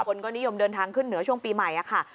คนก็นิยมเดินทางขึ้นเหนือช่วงปีใหม่ค่ะ